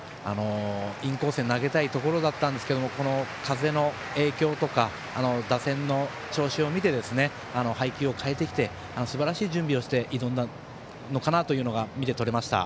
インコースへ投げたいところでしたが風の影響とか打線の調子を見て配球を変えてきてすばらしい準備をして挑んだのかなというのが見て取れました。